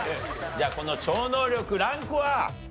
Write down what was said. じゃあこの超能力ランクは？